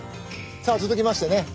さあ続きましてね